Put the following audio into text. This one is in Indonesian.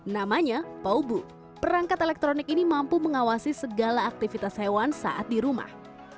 namanya paubu perangkat elektronik ini mampu mengawasi segala aktivitas hewan saat di rumah